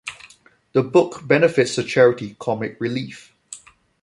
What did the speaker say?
The book benefits the charity Comic Relief.